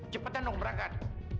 cepetan dong berangkat